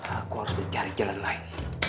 aku harus mencari jalan lain